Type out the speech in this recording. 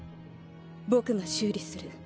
僕が修理する。